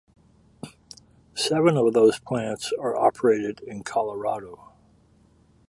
Seven of those plants are operated in Colorado.